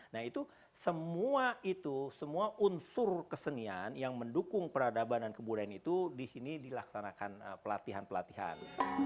nah itu semua itu semua unsur kesenian yang mendukung peradaban dan kebudayaan itu di sini dilaksanakan pelatihan pelatihan